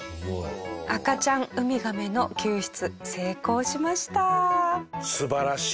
赤ちゃんウミガメの救出成功しました。